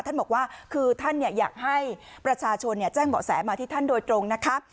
ท่านบอกว่าคือท่านเนี่ยอยากให้ประชาชนเนี่ยแจ้งเหมาะแสมาที่ท่านโดยตรงนะครับ